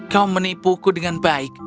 kau menipuku dengan baik